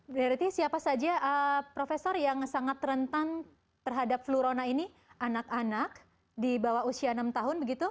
berarti siapa saja profesor yang sangat rentan terhadap flurona ini anak anak di bawah usia enam tahun begitu